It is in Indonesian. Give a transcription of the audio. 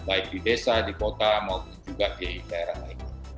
baik di desa di kota maupun juga di daerah lainnya